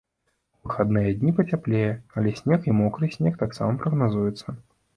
У выхадныя дні пацяплее, але снег і мокры снег таксама прагназуецца.